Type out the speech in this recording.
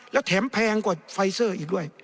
แล้วแถมแพงกว่าไฟเซอร์อีกด้วย